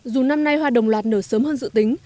dù năm nay hoa đồng loạt nở sớm hơn dự tính